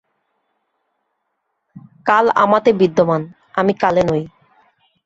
কাল আমাতে বিদ্যমান, আমি কালে নই।